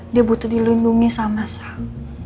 dia butuh dilindungi sama sama